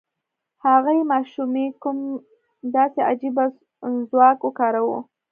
هغې ماشومې کوم داسې عجيب ځواک وکاراوه؟